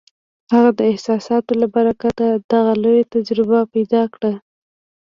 هغه د احساساتو له برکته دغه لویه تجربه پیدا کړه